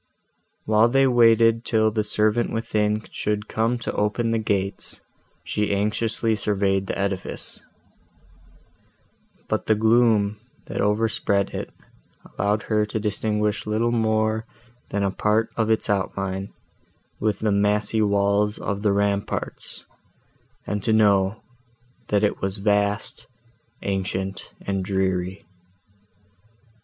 While they waited till the servant within should come to open the gates, she anxiously surveyed the edifice: but the gloom, that overspread it, allowed her to distinguish little more than a part of its outline, with the massy walls of the ramparts, and to know, that it was vast, ancient and dreary.